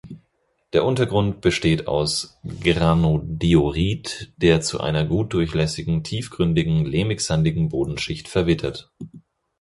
Der Untergrund besteht aus Granodiorit, der zu einer gut durchlässigen, tiefgründigen, lehmig-sandigen Bodenschicht verwittert.